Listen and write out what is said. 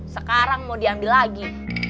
sekarang mau diambil lagi